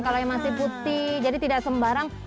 kalau yang masih putih jadi tidak sembarang